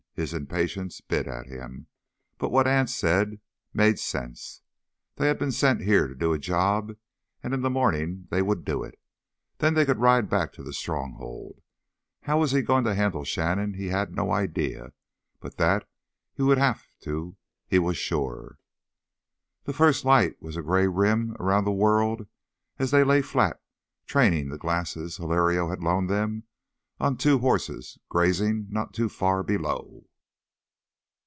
His impatience bit at him, but what Anse said made sense. They had been sent here to do a job and in the morning they would do it. Then they could ride back to the Stronghold. How he was going to handle Shannon he had no idea, but that he would have to he was sure. The first light was a gray rim around the world as they lay flat, training the glasses Hilario had loaned them on two horses grazing not too far below.